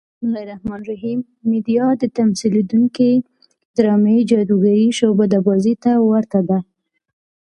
میډیا د تمثیلېدونکې ډرامې جادوګرې شعبده بازۍ ته ورته ده.